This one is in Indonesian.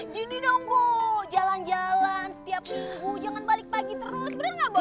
gini dong bu jalan jalan setiap ibu jangan balik pagi terus bener gak bos